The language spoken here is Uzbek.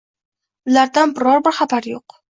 ulardan biron bir xabar yo`q